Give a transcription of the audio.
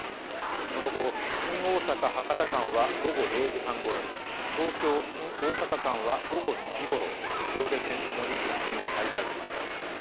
その後、新大阪ー博多間は午後０時半ごろ、東京−新大阪間は午後２時ごろ、上下線ともに運転を再開しました。